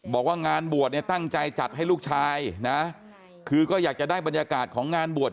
บอกว่างานบวชเนี่ยตั้งใจจัดให้ลูกชายนะคือก็อยากจะได้บรรยากาศของงานบวช